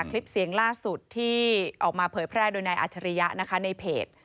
คลิปเสียงล่าสุดที่ออกมาเผยแพร่โดยนายอัจฉริยะนะคะในเพจ